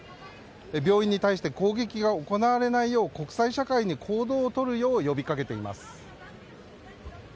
病院に対して攻撃が行われないよう国際社会に行動を取るよう呼び掛けています。